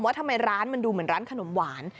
ว่าทำไมร้านมันดูเหมือนร้านขนมหวาน